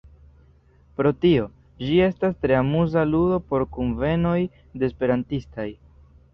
Pro tio, ĝi estas tre amuza ludo por kunvenoj de esperantistaj.